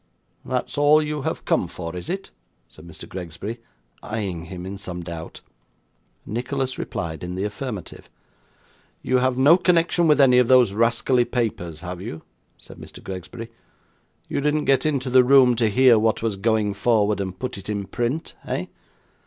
'That's all you have come for, is it?' said Mr. Gregsbury, eyeing him in some doubt. Nicholas replied in the affirmative. 'You have no connection with any of those rascally papers have you?' said Mr. Gregsbury. 'You didn't get into the room, to hear what was going forward, and put it in print, eh?